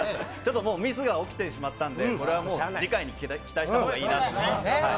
ミスが起きてしまったのでこれは次回に期待した方がいいなと。